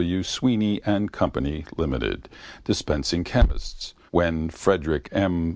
W. Sweny and Co (Limited), dispensing chemists, when, when Frederick M.